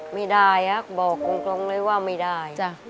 ไม่ได้บอกตรงเลยว่าไม่ได้